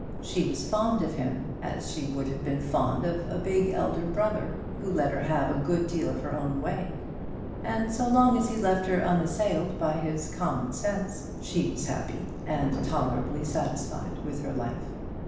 She was fond of him, as she would have been fond of a big elder brother, who let her have a good deal of her own way; and so long as he left her unassailed by his common sense, she was happy, and tolerably satisfied with her life.